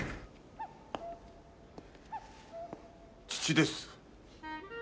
父です。